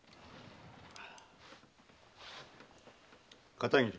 片桐